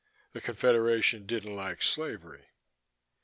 The Confederation didn't like slavery.